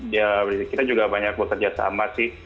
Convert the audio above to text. jadi kita juga banyak bekerja sama sih